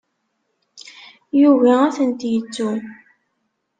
Yugi ad tent-yettu.